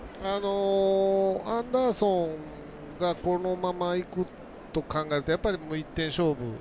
アンダーソンがこのままいくと考えるとやっぱり１点勝負。